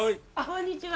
こんにちは。